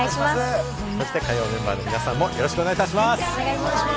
そして、火曜メンバーの皆さんもよろしくお願いいたします。